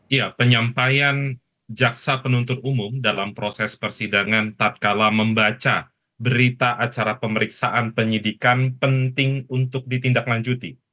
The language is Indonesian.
ya penyampaian jaksa penuntut umum dalam proses persidangan tak kala membaca berita acara pemeriksaan penyidikan penting untuk ditindaklanjuti